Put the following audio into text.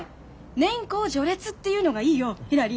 年功序列っていうのがいいよひらり。